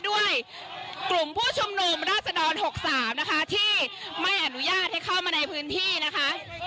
ด้วยกลุ่มผู้ชุมนุมราชดร๖๓นะคะที่ไม่อนุญาตให้เข้ามาในพื้นที่นะคะ